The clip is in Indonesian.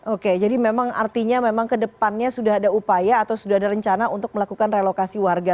oke jadi memang artinya memang kedepannya sudah ada upaya atau sudah ada rencana untuk melakukan relokasi warga